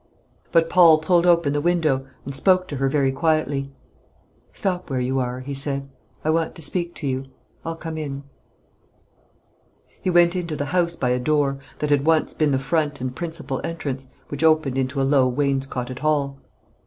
But Paul pulled open the window, and spoke to her very quietly. "Stop where you are," he said; "I want to speak to you. I'll come in." He went into the house by a door, that had once been the front and principal entrance, which opened into a low wainscoted hall.